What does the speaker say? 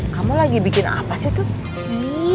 kamu lagi bikin apa sih tuh